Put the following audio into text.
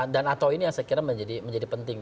dan atau ini yang saya kira menjadi penting